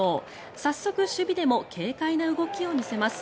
早速守備でも軽快な動きを見せます。